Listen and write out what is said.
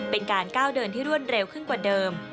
เป็นการก้าวเดินที่รวดเร็วขึ้นกว่าเดิม